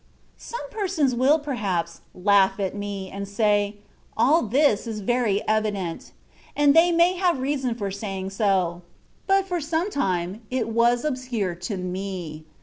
Some persons will, perhaps, laugh at me, and say, "All this is very evident/^ and they may have reason for saying so ; but for some time it was obscure to me.